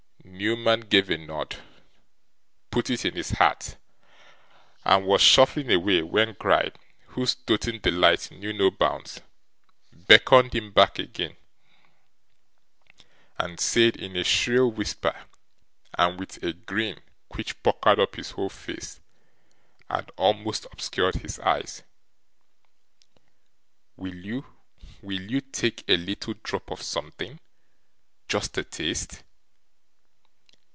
Newman gave a nod, put it in his hat, and was shuffling away, when Gride, whose doting delight knew no bounds, beckoned him back again, and said, in a shrill whisper, and with a grin which puckered up his whole face, and almost obscured his eyes: 'Will you will you take a little drop of something just a taste?